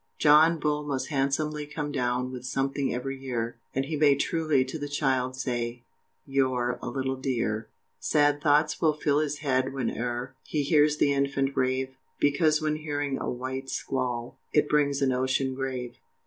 John Bull must handsomely come down With something every year, And he may truly to the child, Say, "You're a little dear!" Sad thoughts will fill his head whene'er He hears the infant rave, Because when hearing a wight squall It brings a notion grave!